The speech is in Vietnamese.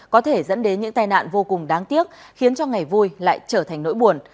có thể dẫn đến những tai nạn vô cùng đáng tiếc khiến cho ngày vui lại trở thành nỗi buồn